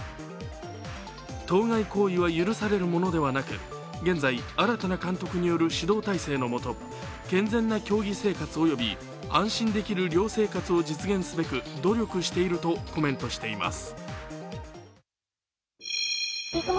当該行為は許されるものではなく現在、新たな監督による指導体制の下、健全な競技生活および安心できる寮生活を実現すべく努力しているとコメントしています。